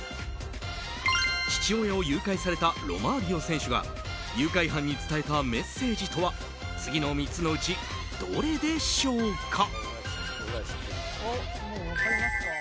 父親を誘拐されたロマーリオ選手が誘拐犯に伝えたメッセージとは次の３つのうちどれでしょうか。